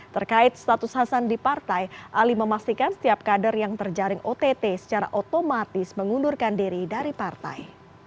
terkait status hasan di partai ali memastikan setiap kader yang terjaring ott secara otomatis mengundurkan diri dari partai